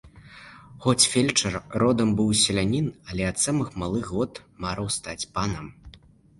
Хоць фельчар родам быў селянін, але ад самых малых год марыў стаць панам.